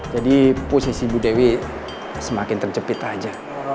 jadi posisi bu dewi semakin tercepit aja